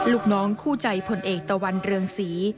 ลูกน้องคู่ใจผลเอกตะวันเรืองศรี